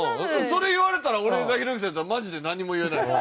それ言われたら俺がひろゆきさんやったらマジで何も言えないです。